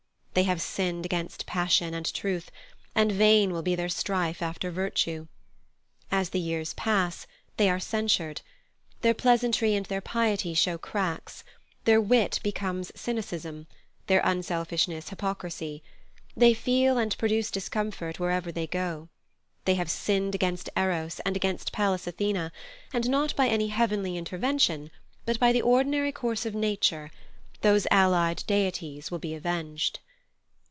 They have sinned against passion and truth, and vain will be their strife after virtue. As the years pass, they are censured. Their pleasantry and their piety show cracks, their wit becomes cynicism, their unselfishness hypocrisy; they feel and produce discomfort wherever they go. They have sinned against Eros and against Pallas Athene, and not by any heavenly intervention, but by the ordinary course of nature, those allied deities will be avenged.